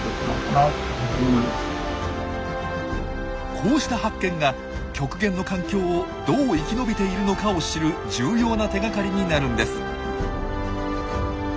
こうした発見が極限の環境をどう生き延びているのかを知る重要な手がかりになるんです。